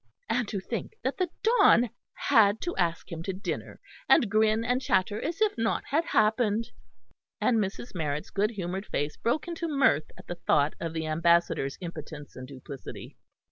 and to think that the Don had to ask him to dinner, and grin and chatter as if nought had happened." And Mrs. Marrett's good humoured face broke into mirth at the thought of the Ambassador's impotence and duplicity.